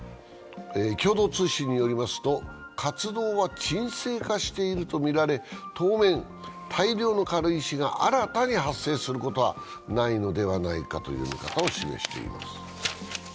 共同通信によりますと活動は沈静化しているとみられ、当面、大量の軽石が新たに発生することはないのではないかという見方を示しています。